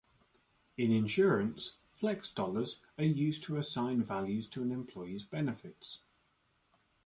In insurance, Flex Dollars are used to assign values to an employees benefits.